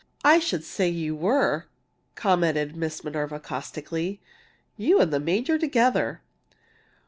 "I should say you were!" commented Miss Minerva, caustically. "You and the major together!"